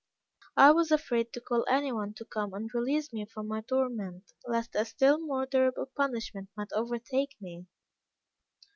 I was afraid to call any one to come and release me from my torment, lest a still more terrible punishment might overtake me.